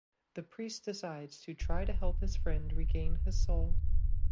The priest decides to try to help his friend regain his soul.